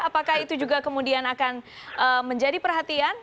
apakah itu juga kemudian akan menjadi perhatian